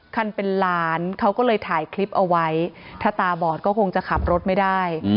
คันเป็นล้านเขาก็เลยถ่ายคลิปเอาไว้ถ้าตาบอดก็คงจะขับรถไม่ได้